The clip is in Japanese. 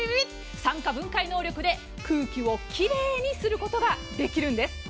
酸化分解能力で空気を奇麗にすることができるんです。